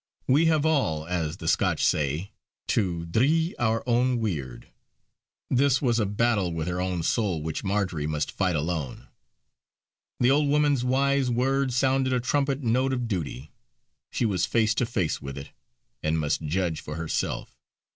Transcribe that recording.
We have all, as the Scotch say, to "dree our own weird," this was a battle with her own soul which Marjory must fight alone. The old woman's wise words sounded a trumpet note of duty. She was face to face with it, and must judge for herself.